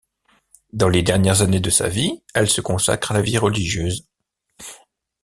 Dans les dernières années de sa vie, elle se consacre à la vie religieuse.